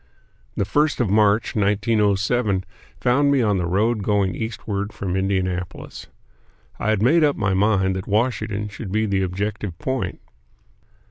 The first of March, 1907, found me on the road going eastward from Indianapolis. I had made up my mind that Washington should be the objective point.